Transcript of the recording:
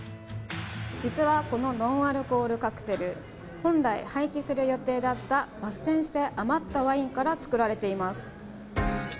実はこのノンアルコールカクテル本来廃棄する予定だった抜栓して、余ったワインから作られています。